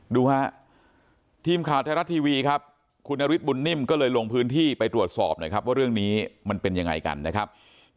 ดูฮะทีมข่าวไทยรัฐทีวีครับคุณนฤทธบุญนิ่มก็เลยลงพื้นที่ไปตรวจสอบหน่อยครับว่าเรื่องนี้มันเป็นยังไงกันนะครับ